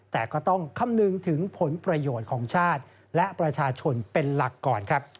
แต่ก็ต้องคำนึงถึงผลประโยชน์ของชาติและประชาชนเป็นหลักก่อนครับ